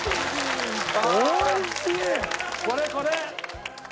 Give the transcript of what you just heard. これこれ！